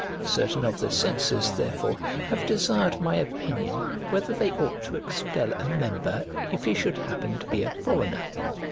Certain of the censors therefore have desired my opinion whether they ought to expel a member if he should happen to be a foreigner.